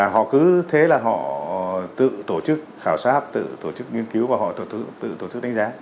họ cứ thế là họ tự tổ chức khảo sát tự tổ chức nghiên cứu và họ tự tổ chức đánh giá